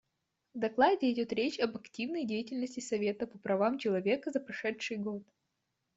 В докладе идет речь об активной деятельности Совета по правам человека за прошедший год.